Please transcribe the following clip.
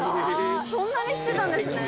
そんなにしてたんですね。